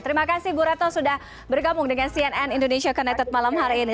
terima kasih bu retno sudah bergabung dengan cnn indonesia connected malam hari ini